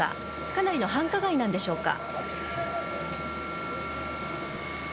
かなりの繁華街なんでしょうか。